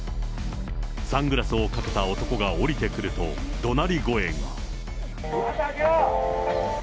サングラスをかけた男が降りてくると、どなり声が。